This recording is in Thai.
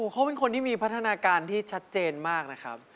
เขาเป็นคนที่มีพัฒนาการที่ชัดเจนมากนะครับ